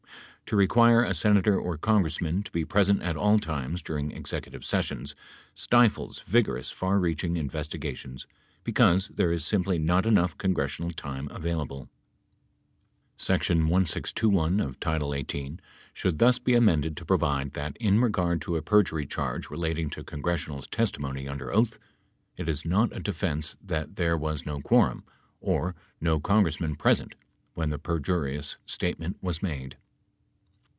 To require a Senator or Congressman to be present at all times during executive sessions stifles vigorous, far reaching investigations because there is simply not enough congressional time available. Section 1621 of title 18 should thus be amended to provide that, in regard to a perjury charge relating to congressional testimony under oath, it is not a defense that there was no quorum 11 or no Con gressman present when the perjurious statement was made.